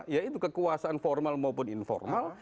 ya itu kekuasaan formal maupun informal